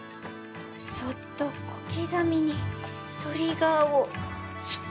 そっと小刻みにトリガーを引く！